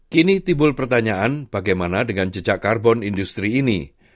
kini tibul pertanyaan bagaimana dengan jejak karbon industri ini